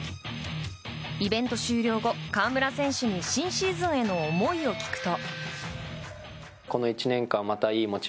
イベント終了後、河村選手に新シーズンへの思いを聞くと。